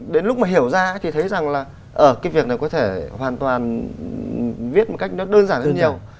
đến lúc mà hiểu ra thì thấy rằng là ở cái việc này có thể hoàn toàn viết một cách nó đơn giản hơn nhiều